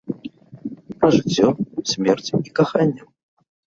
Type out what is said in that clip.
Пра жыццё, смерць і каханне.